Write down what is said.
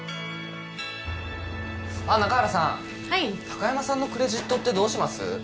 高山さんのクレジットってどうします？